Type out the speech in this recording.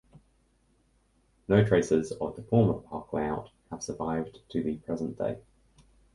No traces of the former park layout have survived to the present day.